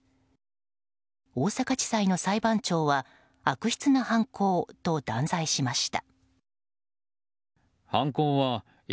大阪地裁の裁判長は悪質な犯行と断罪しました。